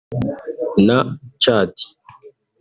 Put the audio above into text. na Tchad